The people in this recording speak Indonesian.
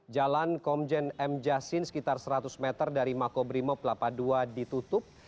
jalan komjen m jasin sekitar seratus meter dari mako brimob kelapa ii ditutup